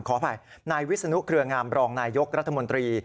ขออภัยนายวิศนุเครืองามรองนายยกรัฐมนตรี